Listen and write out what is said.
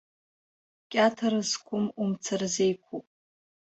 Кьаҭара зқәым умца рзеиқәуп.